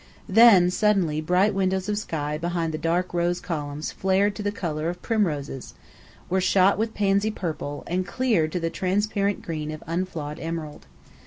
Then, suddenly, bright windows of sky behind the dark rose columns flamed to the colour of primroses, were shot with pansy purple, and cleared to the transparent green of unflawed emerald.